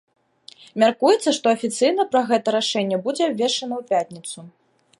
Мяркуецца, што афіцыйна пра гэтае рашэнне будзе абвешчана ў пятніцу.